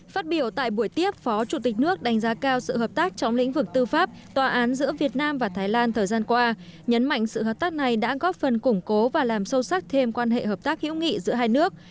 phát biểu tại buổi tiếp phó chủ tịch nước đánh giá cao sự hợp tác trong lĩnh vực tư pháp tòa án giữa việt nam và thái lan thời gian qua nhấn mạnh sự hợp tác này đã góp phần củng cố và làm sâu sắc thêm quan hệ hợp tác hữu nghị giữa hai nước